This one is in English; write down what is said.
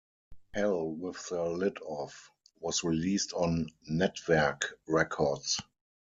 "Hell With the Lid Off" was released on Nettwerk Records.